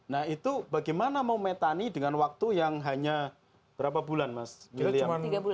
nah itu bagaimana mau metani dengan waktu yang hanya berapa bulan mas biliar